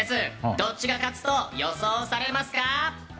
どっちが勝つと予想されますか？